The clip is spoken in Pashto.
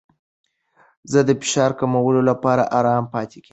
زه د فشار کمولو لپاره ارام پاتې کیږم.